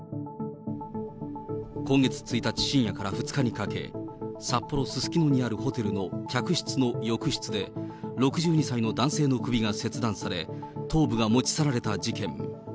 今月１日深夜から２日にかけ、札幌・すすきのにあるホテルの客室の浴室で、６２歳の男性の首が切断され、頭部が持ち去られた事件。